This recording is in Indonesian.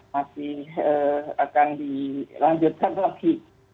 masih akan dilanjutkan lagi